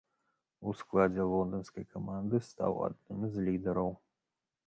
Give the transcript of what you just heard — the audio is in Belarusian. У складзе лонданскай каманды стаў адным з лідараў.